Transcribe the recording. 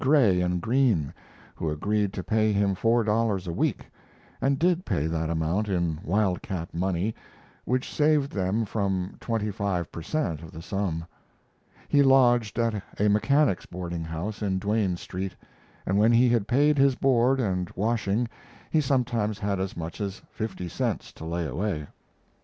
Gray & Green, who agreed to pay him four dollars a week, and did pay that amount in wildcat money, which saved them about twenty five per cent. of the sum. He lodged at a mechanics' boarding house in Duane Street, and when he had paid his board and washing he sometimes had as much as fifty cents to lay away.